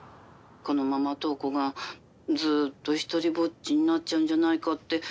☎このまま瞳子が☎ずーっと独りぼっちになっちゃうんじゃないかって☎